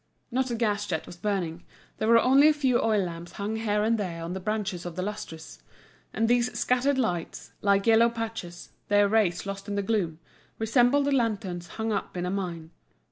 Not a gas jet was burning, there were only a few oil lamps hung here and there on the branches of the lustres; and these scattered lights, like yellow patches, their rays lost in the gloom, resembled the lanterns hung up in a mine.